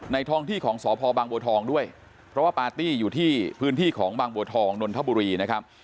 ท้องที่ของสพบางบัวทองด้วยเพราะว่าปาร์ตี้อยู่ที่พื้นที่ของบางบัวทองนนทบุรีนะครับ